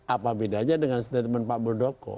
apa bedanya dengan statement pak burdoko